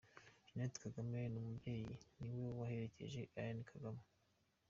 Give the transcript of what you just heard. Jeanette Kagame nk’umubyeyi, niwe waherekeje Ian Kagame.